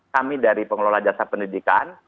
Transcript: kami dari pengelola jasa pendidikan